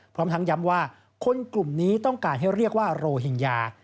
พร้อมทั้งย้ำว่าคนกลุ่มนี้ต้องการให้เรียกว่าโรฮิงญา